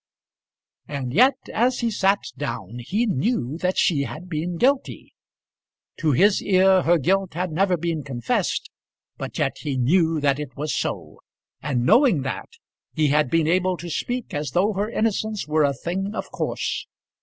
And yet as he sat down he knew that she had been guilty! To his ear her guilt had never been confessed; but yet he knew that it was so, and, knowing that, he had been able to speak as though her innocence were a thing of course.